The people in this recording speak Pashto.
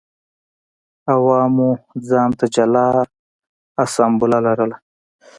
عوامو ځان ته جلا اسامبله لرله